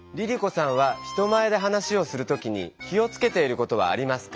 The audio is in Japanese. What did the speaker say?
さんは人前で話をする時に気をつけていることはありますか？